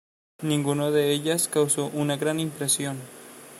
Ninguno de ellas causó una gran impresión.